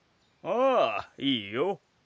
ああいいよ。